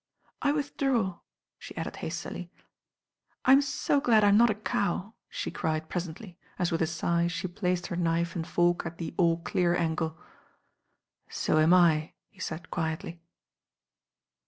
^ ^'I withdraw," she added hastily. "I'm so glad I'm not a cow," she cried presently, as with a sigh she placed her knife and fork at the "all dear" angle. "So am I," he said quietly.